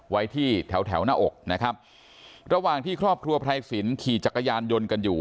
ไว้ที่แถวแถวหน้าอกนะครับระหว่างที่ครอบครัวไพรสินขี่จักรยานยนต์กันอยู่